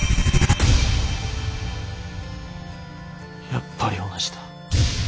やっぱり同じだ。